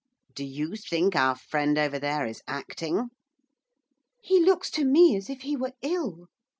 Do you think our friend over there is acting?' 'He looks to me as if he were ill.